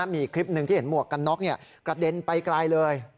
มีคลิปหนึ่งที่เห็นหมวกกันน็อกกระเด็นไปไกลเลย